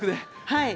はい。